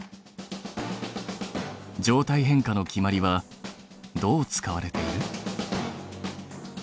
状態変化の決まりはどう使われている？